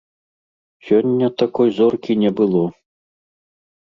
Сёння такой зоркі не было.